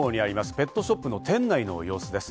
ペットショップの店内の様子です。